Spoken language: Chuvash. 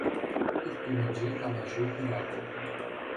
Пӳрт ӳмӗнче калаҫу пырать.